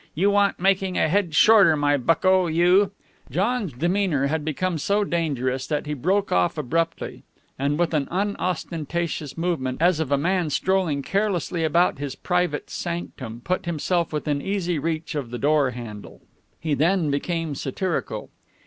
You want making a head shorter, my bucko. You " John's demeanor had become so dangerous that he broke off abruptly, and with an unostentatious movement, as of a man strolling carelessly about his private sanctum, put himself within easy reach of the door handle. He then became satirical.